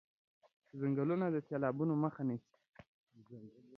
ځنګلونه د سېلابونو مخه نيسي.